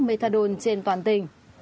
methadone trên toàn tỉnh